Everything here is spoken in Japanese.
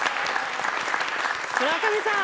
村上さん